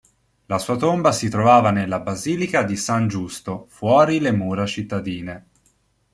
La sua tomba si trovava nella basilica di San Giusto, fuori le mura cittadine.